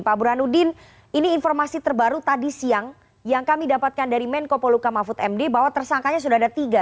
pak burhanuddin ini informasi terbaru tadi siang yang kami dapatkan dari menko poluka mahfud md bahwa tersangkanya sudah ada tiga